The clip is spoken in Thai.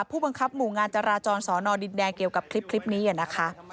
ผู้บังคับหมู่งานจราจรสอนอดินแดงเกี่ยวกับคลิปนี้นะคะ